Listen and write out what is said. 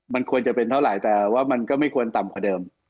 มันควรจะเป็นเท่าไหร่แต่ว่ามันก็ไม่ควรต่ำกว่าเดิม